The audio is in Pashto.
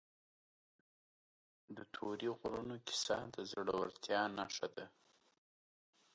د تورې غرونو کیسه د زړه ورتیا نښه ده.